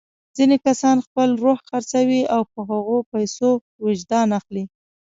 ځینې کسان خپل روح خرڅوي او په هغو پیسو وجدان اخلي.